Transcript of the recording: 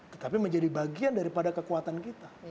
tetapi menjadi bagian dari pada kekuatan kita